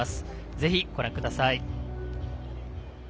ぜひ、ご覧ください。